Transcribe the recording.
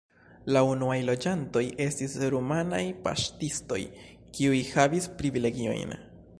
La unuaj loĝantoj estis rumanaj paŝtistoj, kiuj havis privilegiojn.